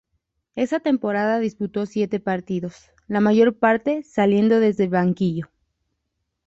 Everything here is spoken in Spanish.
Esa temporada disputó siete partidos, la mayor parte saliendo desde el banquillo.